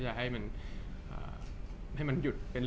จากความไม่เข้าจันทร์ของผู้ใหญ่ของพ่อกับแม่